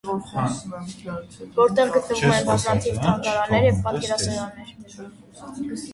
, որտեղ գտնվում են բազմաթիվ թանգարաններ և պատկերասրահներ։